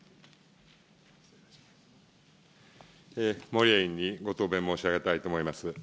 森屋議員にご答弁申し上げたいと思います。